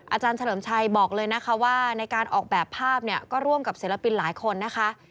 อาจารย์เฉลิมชัยบอกเลยนะคะว่าในการออกแบบภาพเนี่ยก็ร่วมกับศิลปินหลายคนนะคะ